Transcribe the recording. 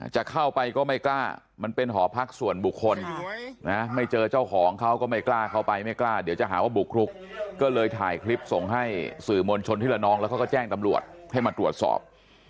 จะเข้าไปก็ไม่กล้ามันเป็นหอพักส่วนบุคคลนะไม่เจอเจ้าของเขาก็ไม่กล้าเข้าไปไม่กล้าเดี๋ยวจะหาว่าบุกรุกก็เลยถ่ายคลิปส่งให้สื่อมวลชนที่ละนองแล้วเขาก็แจ้งตำรวจให้มาตรวจสอบ